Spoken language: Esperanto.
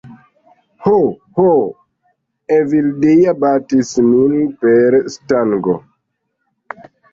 "Ho, ho... Evildea batis min per stango!"